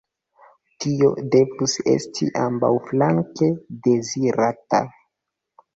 Tio devus esti ambaŭflanke dezirata.